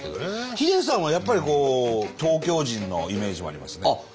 秀さんはやっぱりこう東京人のイメージもありますね。